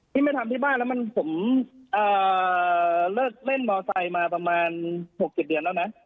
ไม่ทำที่บ้านแล้วผมเลิกเล่นมอไซค์มาประมาณ๖๗เดือนแล้วนะ